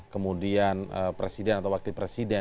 kemudian presiden atau wakil presiden